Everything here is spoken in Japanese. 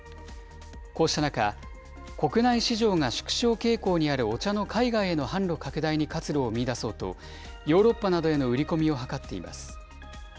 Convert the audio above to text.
こうした中、国内市場が縮小傾向にあるお茶の海外への販路拡大に活路を見いだそうと、ヨーロッパなどへの売り込みを図っています。